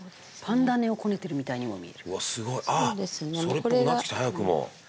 それっぽくなってきた早くも。